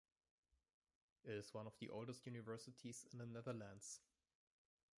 It is one of the oldest universities in the Netherlands.